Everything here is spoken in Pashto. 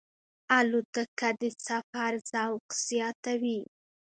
الوتکه د سفر ذوق زیاتوي.